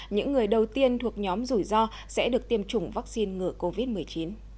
những người đầu tiên thuộc nhóm rủi ro sẽ được tiêm chủng vắc xin ngừa covid một mươi chín